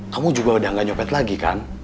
kamu juga udah gak nyopet lagi kan